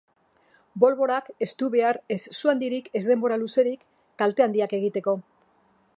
Bolborak ez du behar ez su handirik ez denbora luzerik kalte handiak egiteko.